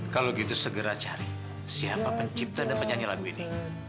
kalau gitu segera cari siapa pencipta dan penyanyi lagu ini